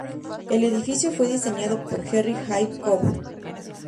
El edificio fue diseñado por Henry Ives Cobb.